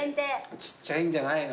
ちっちゃいんじゃないの？